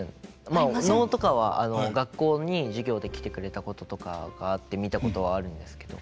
まあ能とかは学校に授業で来てくれたこととかがあって見たことはあるんですけど。